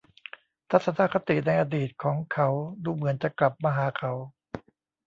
ทัศนคติในอดีตของเขาดูเหมือนจะกลับมาหาเขา